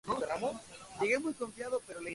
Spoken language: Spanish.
Pablo fue como su padre y mentor espiritual.